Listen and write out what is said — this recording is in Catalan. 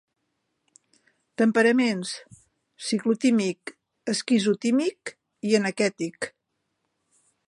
Temperaments: ciclotímic, esquizotímic i enequètic.